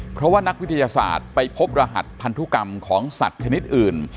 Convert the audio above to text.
เพราะว่านักวิทยาศาสตร์ไปพบรหัสพันธุกรรมของสัตว์ชนิดอื่น